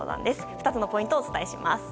２つのポイントをお伝えします。